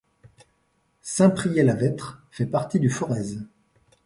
Saint-Priest-la-Vêtre fait partie du Forez.